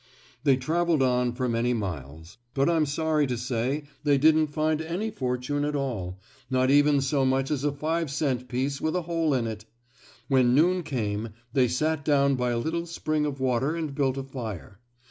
They traveled on for many miles, but I'm sorry to say they didn't find any fortune at all not even so much as a five cent piece with a hole in it. When noon came they sat down by a little spring of water and built a fire.